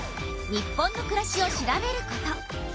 日本のくらしを調べること。